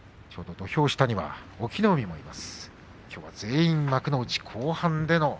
土俵下には隠岐の海がいます。